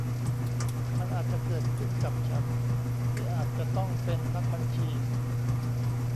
มันอาจจะเกิดขึ้นกับฉันที่อาจจะต้องเป็นนักบัญชี